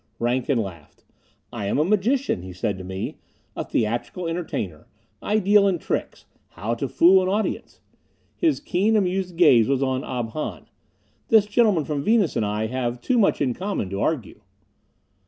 Rankin laughed. "I am a magician," he said to me. "A theatrical entertainer. I deal in tricks how to fool an audience " His keen, amused gaze was on Ob Hahn. "This gentleman from Venus and I have too much in common to argue."